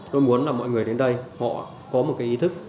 tôi muốn là mọi người đến đây họ có một cái ý thức